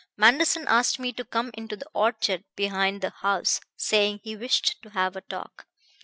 Manderson asked me to come into the orchard behind the house, saying he wished to have a talk.